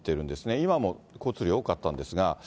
今も交通量多かったんですが。